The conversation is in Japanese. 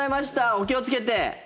お気をつけて。